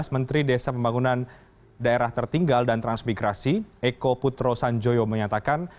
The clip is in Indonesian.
menteri desa pembangunan daerah tertinggal dan transmigrasi eko putro sanjoyo menyatakan